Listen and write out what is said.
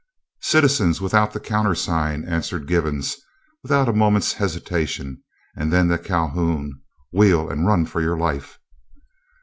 "Citizens without the countersign," answered Givens without a moment's hesitation, and then to Calhoun, "Wheel and run for your life."